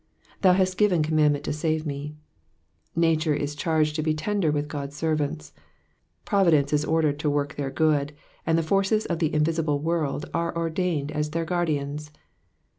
^^Thou hast gicen commandment to save me^ Nature is charged to be tender with God's servants ; Providence is ordered to work their good, and the forces of the invisible world are ordained as their guardians.